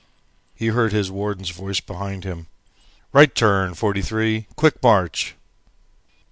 He heard his warder's voice behind him. "Right turn, 43, quick march."